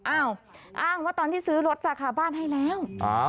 อ้างว่าตอนที่ซื้อลดราคาบ้านให้แล้ว